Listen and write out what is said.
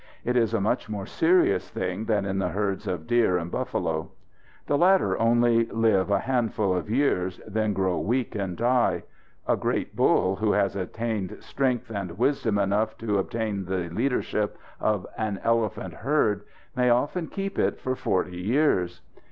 It is a much more serious thing than in the herds of deer and buffalo. The latter only live a handful of years, then grow weak and die. A great bull who has attained strength and wisdom enough to obtain the leadership of an elephant herd may often keep it for forty years.